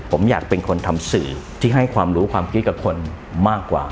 ผมอยากเป็นคนทำสื่อที่ให้ความรู้ความคิดกับคนมากกว่า